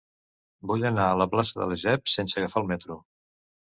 Vull anar a la plaça de Lesseps sense agafar el metro.